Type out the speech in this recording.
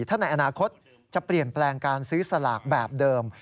ถ้าในอนาคตจะเปลี่ยนแปลงการซื้อสลากแบบเดิม